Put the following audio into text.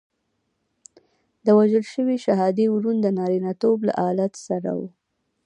د وژل شوي شهادي ورون د نارینتوب له آلت سره وو.